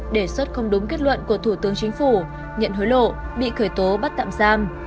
đề xuất không đúng kết luận của thủ tướng chính phủ nhận hối lộ bị khởi tố bắt tạm giam